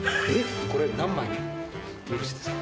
これ、何枚よろしいですか？